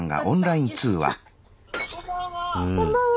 「こんばんは」。